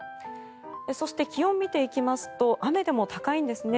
そして、気温を見ていきますと雨でも高いんですね。